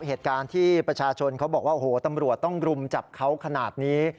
เหตุการณ์ที่ประชาชนเขาบอกว่าโอ้โหตำรวจต้องรุมจับเขาขนาดนี้